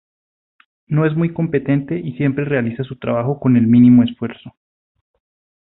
No es muy competente y siempre realiza su trabajo con el mínimo esfuerzo.